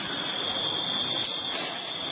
แหงมันหลาย